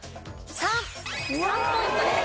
３ポイントです。